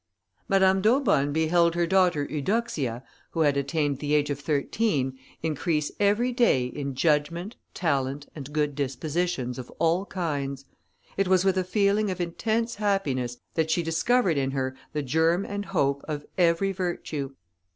Madame d'Aubonne beheld her daughter Eudoxia, who had attained the age of thirteen, increase every day in judgment, talent, and good dispositions of all kinds. It was with a feeling of intense happiness, that she discovered in her the germ and hope of every virtue.